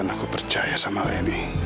dan aku percaya sama leni